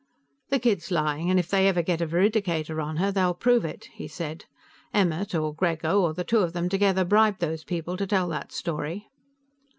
"The kid's lying, and if they ever get a veridicator on her, they'll prove it", he said. "Emmert, or Grego, or the two of them together, bribed those people to tell that story."